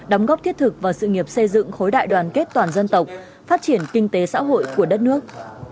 đóng góp thiết thực vào sự nghiệp xây dựng khối đại đoàn kết toàn dân tộc phát triển kinh tế xã hội của đất nước